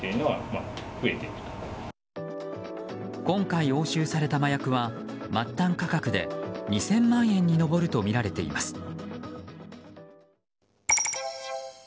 今回押収された麻薬は末端価格で２０００万円に上るとみられています。